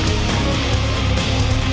tiga dua satu